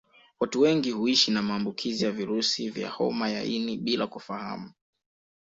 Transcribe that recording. Watu wengi huishi na maambukizi ya virusi vya homa ya ini bila kufahamu